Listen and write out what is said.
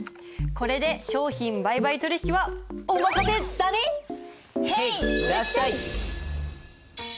これで商品売買取引はお任せだね！へいらっしゃい！